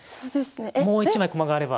もう一枚駒があれば。